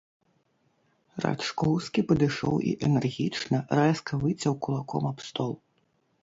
Рачкоўскі падышоў і энергічна, рэзка выцяў кулаком аб стол.